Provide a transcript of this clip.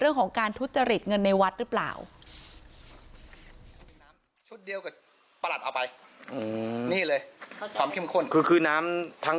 เรื่องของการทุจริตเงินในวัดหรือเปล่า